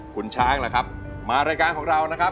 คุณช้างล่ะครับมารายการของเรานะครับ